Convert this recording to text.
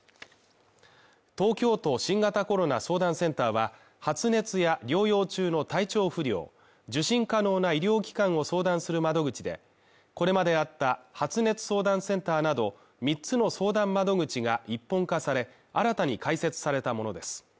東京都新型コロナ相談センターは、発熱や療養中の体調不良、受診可能な医療機関を相談する窓口で、これまであった発熱相談センターなど三つの相談窓口が一本化され新たに開設されたものです。